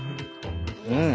うん！